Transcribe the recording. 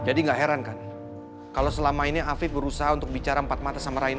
nggak heran kan kalau selama ini afif berusaha untuk bicara empat mata sama raina